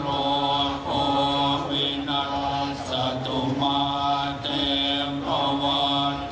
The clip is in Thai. แม้มุ่งหวังสิ่งใดใดในดวงกิจ